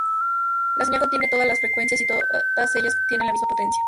La señal contiene todas las frecuencias y todas ellas tienen la misma potencia.